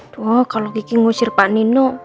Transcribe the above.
tuh kalau kiki ngusir pak nino